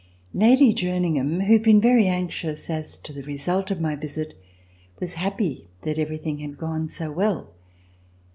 Lady Jerningham, who had been very anxious as to the result of my visit, was happy that ever>'thing had gone so well.